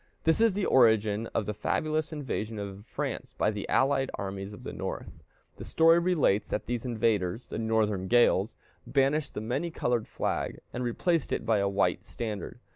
This is the origin of the fabulous invasion of France by the allied armies of the North. The story relates that these invaders the northern gales banished the many colored flag, and replaced it by a white standard.